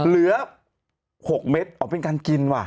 เหลือ๖เม็ดอ๋อเป็นการกินว่ะ